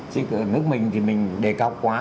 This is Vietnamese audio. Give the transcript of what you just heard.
chứ ở nước mình thì mình đề cao quá